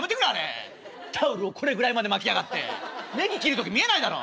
タオルをこれぐらいまで巻きやがってネギ切る時見えないだろ。